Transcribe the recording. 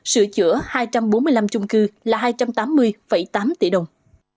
sửa chữa hai trăm bốn mươi năm chung cư là hai trăm tám mươi tám tỷ đồng